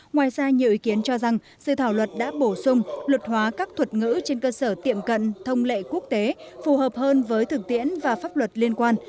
ngoài ra nhiều ý kiến cho rằng sự thảo luật đã bổ sung luật hóa các thuật ngữ trên cơ sở tiệm cận thông lệ quốc tế phù hợp hơn với thực tiễn và pháp luật liên quan